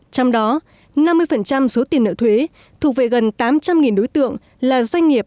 trong đó năm mươi số tiền nợ thuế thuộc về gần tám trăm linh đối tượng là doanh nghiệp